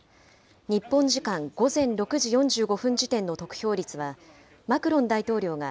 日本時間午前６時４５分時点の得票率はマクロン大統領が５６．６